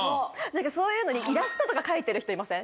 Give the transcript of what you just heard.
そういうのにイラストとか描いてる人いません？